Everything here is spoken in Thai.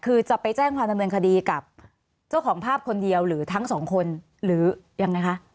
คือจะไปแจ้งความดำเนินคดีกับเจ้าของภาพคนเดียวหรือทั้งสองคนหรือยังไงคะ